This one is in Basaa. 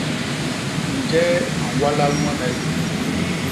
Njee a ñwalal ñwemel?